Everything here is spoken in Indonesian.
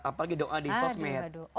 apalagi doa di sosmed